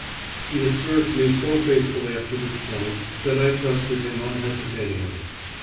He had served me so faithfully up to this point that I trusted him unhesitatingly.